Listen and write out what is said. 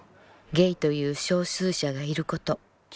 「ゲイという少数者がいること。